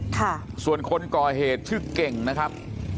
ค่ะส่วนคนก่อเหตุชื่อเก่งนะครับ